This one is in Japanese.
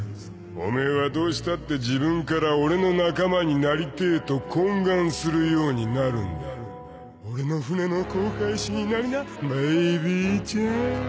オメエはどうしたって自分から俺の仲間になりてえと懇願するようになるんだ俺の船の航海士になりなベイビーちゃん